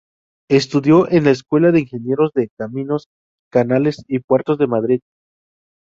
Estudió en la Escuela de Ingenieros de Caminos, Canales y Puertos de Madrid.